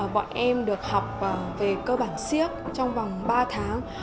bọn em được học về cơ bản siếc trong vòng ba tháng